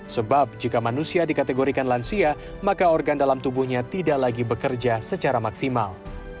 sebab jika manusia dikategorikan lansia maka organ dalam tubuhnya tidak lagi bekerja secara maksimal